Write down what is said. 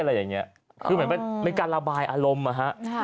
อะไรอย่างนี้คือเหมือนเป็นการระบายอารมณ์นะฮะ